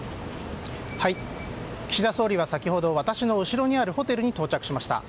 岸田総理は先ほど私の後ろにあるホテルに到着しました。